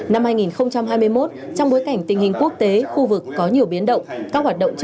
năm hai nghìn hai mươi một trong bối cảnh tình hình quốc tế khu vực có nhiều biến động